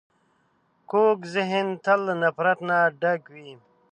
کوږ ذهن تل له نفرت نه ډک وي